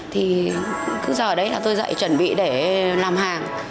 thì cứ giờ đấy là tôi dạy chuẩn bị để làm hàng